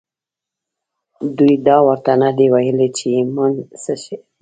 دوی دا ورته نه دي ويلي چې ايمان څه دی.